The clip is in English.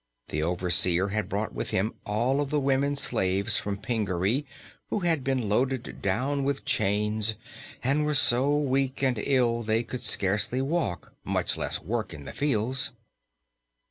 The overseer had brought with him all of the women slaves from Pingaree, who had been loaded down with chains and were so weak and ill they could scarcely walk, much less work in the fields.